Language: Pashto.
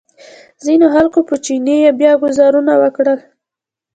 ځینو خلکو په چیني بیا ګوزارونه وکړل.